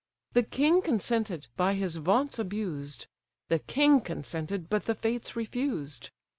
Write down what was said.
The king consented, by his vaunts abused; The king consented, but the fates refused.